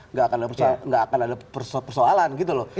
nggak akan ada persoalan gitu loh